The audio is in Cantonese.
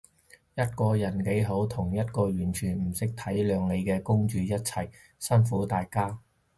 一個人幾好，同一個完全唔識體諒你嘅公主一齊，辛苦大家